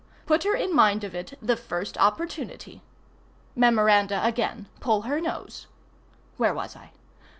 put her in mind of it the first opportunity.] [Mem. again—pull her nose.] Where was I?